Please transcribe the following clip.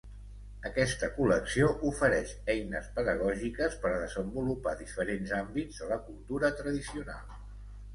Aquesta col·lecció ofereix eines pedagògiques per a desenvolupar diferents àmbits de la cultura tradicional.